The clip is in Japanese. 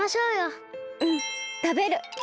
うんたべる！